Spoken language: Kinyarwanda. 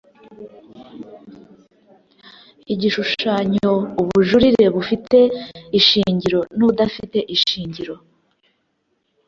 Igishushanyo Ubujurire bufite ishingiro n ubudafite ishingiro